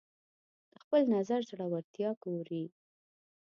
د خپل نظر زورورتیا ګوري